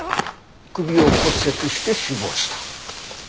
首を骨折して死亡した。